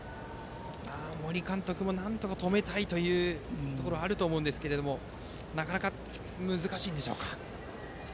森監督もなんとか止めたいというところはあると思いますがなかなか難しいんでしょうか。